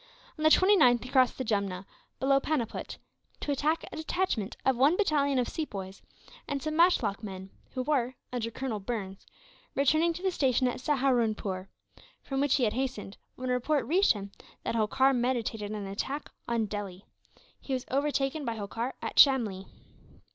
On the 29th he crossed the Jumna, below Panniput, to attack a detachment of one battalion of Sepoys and some matchlock men who were, under Colonel Burns, returning to the station at Saharunpoor from which he had hastened, when a report reached him that Holkar meditated an attack on Delhi. He was overtaken by Holkar at Shamlee.